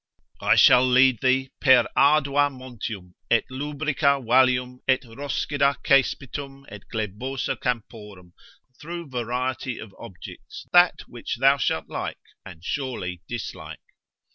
I shall lead thee per ardua montium, et lubrica valllum, et roscida cespitum, et glebosa camporum, through variety of objects, that which thou shalt like and surely dislike.